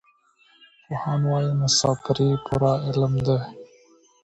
پوهان وايي مسافري پوره علم دی.